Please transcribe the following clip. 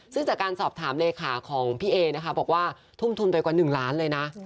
ซึ่งจากการสอบถามเลขาของพี่เอนะคะบอกว่าทุ่มทุนไปกว่า๑ล้านเลยนะ